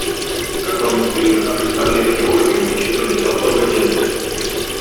Как вам не стыдно о представленных к Георгию вычитывать из столбцов газет?!